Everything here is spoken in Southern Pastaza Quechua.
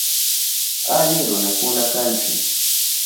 Ali runakuna kanchi.